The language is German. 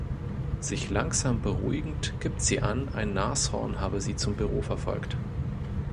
Sich langsam beruhigend, gibt sie an, ein Nashorn habe sie zum Büro verfolgt.